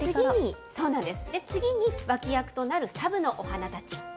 次に、脇役となるサブのお花たち。